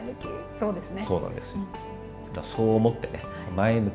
そうですね。